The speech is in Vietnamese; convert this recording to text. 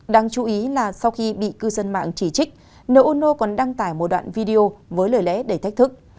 đáng chú ý là sau khi bị cư dân mạng chỉ trích nô ô nô còn đăng tải một đoạn video với lời lẽ để thách thức